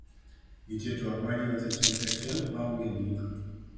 nitie twak majiwacho achiel kachiel ma onge ndiko